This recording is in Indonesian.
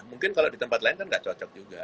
mungkin kalau di tempat lain kan nggak cocok juga